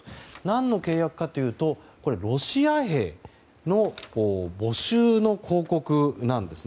何の契約かというとロシア兵の募集の広告なんです。